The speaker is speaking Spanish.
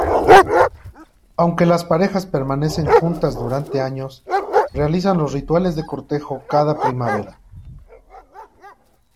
Aunque las parejas permanecen juntas durante años, realizan los rituales de cortejo cada primavera.